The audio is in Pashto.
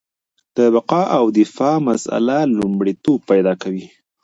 د بقا او دفاع مسله لومړیتوب پیدا کوي.